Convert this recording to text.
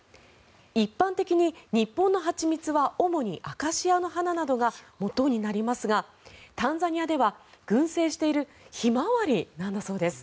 一般的に日本の蜂蜜は主にアカシアの花などがもとになりますがタンザニアでは群生しているヒマワリなんだそうです。